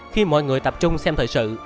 khi mọi người tập trung xem thời sự